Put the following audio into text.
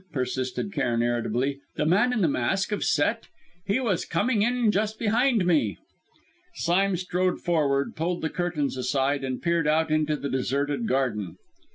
persisted Cairn irritably; "the man in the mask of Set he was coming in just behind me." Sime strode forward, pulled the curtains aside, and peered out into the deserted garden.